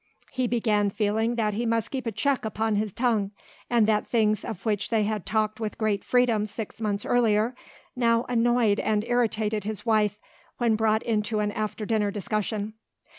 He began feeling that he must keep a check upon his tongue and that things of which they had talked with great freedom six months earlier now annoyed and irritated his wife when brought into an after dinner discussion.